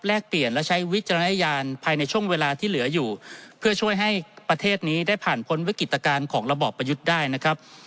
เปลี่ยนและใช้วิจารณญาณภายในช่วงเวลาที่เหลืออยู่เพื่อช่วยให้ประเทศนี้ได้ผ่านพ้นวิกฤตการณ์ของระบอบประยุทธ์ได้นะครับ